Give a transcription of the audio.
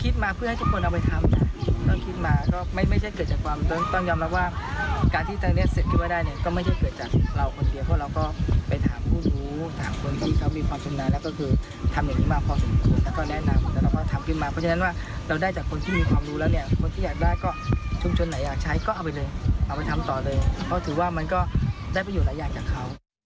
แล้วก็การรักษาสิ่งแบบร้อนด้วยนะคะ